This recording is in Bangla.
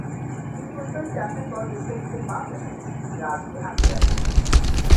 কিন্তু ওই বাড়িতে আসার পর গ্রেপ্তারকৃত পাঁচ আসামি রাজকে আটকে রাখেন।